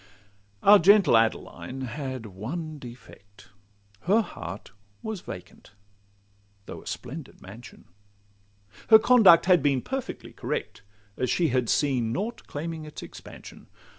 Our gentle Adeline had one defect— Her heart was vacant, though a splendid mansion; Her conduct had been perfectly correct, As she had seen nought claiming its expansion.